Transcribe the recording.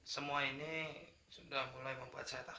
semua ini sudah mulai membuat saya takut